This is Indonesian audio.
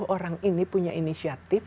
orang ini punya inisiatif